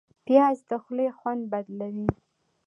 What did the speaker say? پیاز د خولې خوند بدلوي